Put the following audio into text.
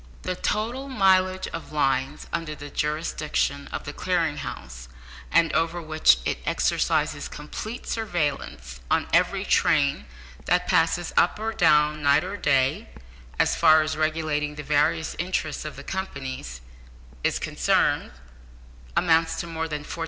The total mileage of lines under the jurisdiction of the Clearing House, and over which it exercises complete surveillance on every train that passes up or down night or day, as far as regulating the various interests of the companies is concerned, amounts to more than 14,000.